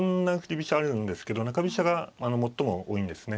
飛車あるんですけど中飛車が最も多いんですね。